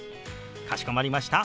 かしこまりました。